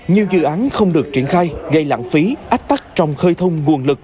nhiều dự án không được triển khai gây lãng phí ách tắc trong khơi thông nguồn lực